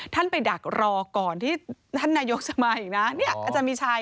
ท่านไปดักรอก่อนที่ท่านนายกจะมาอีกนะ